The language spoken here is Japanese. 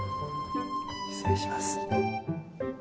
失礼します。